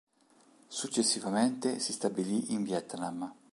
Successivamente si stabilì in Vietnam.